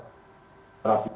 itu kan harus semuanya